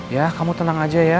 ya kamu tenang aja ya